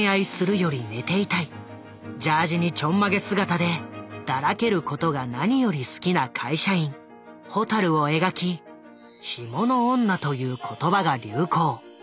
ジャージにちょんまげ姿でだらけることが何より好きな会社員ホタルを描き「干物女」という言葉が流行。